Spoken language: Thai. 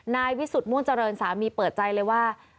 นายวิสุทธิ์ม่วงเจริญสามีเปิดใจเลยว่า